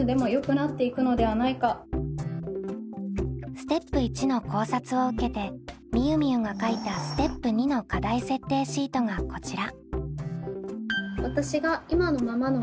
ステップ①の考察を受けてみゆみゆが書いたステップ②の課題設定シートがこちら。